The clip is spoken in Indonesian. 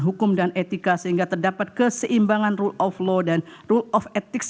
hukum dan etika sehingga terdapat keseimbangan rule of law dan rule of ethics